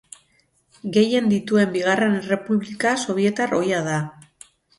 Gehien dituen bigarren errepublika sobietar ohia da.